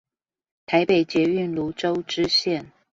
台北捷運蘆洲支線